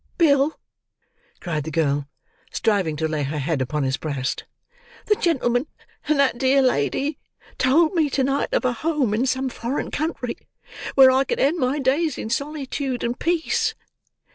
"Bill," cried the girl, striving to lay her head upon his breast, "the gentleman and that dear lady, told me to night of a home in some foreign country where I could end my days in solitude and peace.